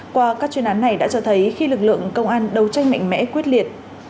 qua các chuyên án này đã cho thấy khi lực lượng công an đầu tranh mạnh mẽ quyết liệt